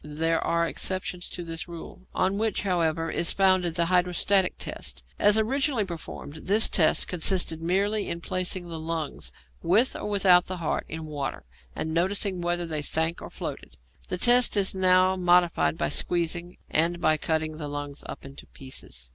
There are exceptions to this rule, on which, however, is founded the hydrostatic test. As originally performed, this test consisted merely in placing the lungs, with or without the heart, in water, and noticing whether they sank or floated. The test is now modified by squeezing, and by cutting the lungs up into pieces.